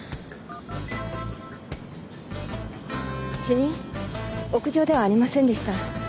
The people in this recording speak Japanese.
主任屋上ではありませんでした。